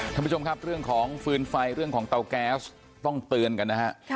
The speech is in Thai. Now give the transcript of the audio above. ท่านผู้ชมครับเรื่องของฟืนไฟเรื่องของเตาแก๊สต้องเตือนกันนะฮะ